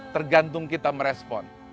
tergantung kita merespon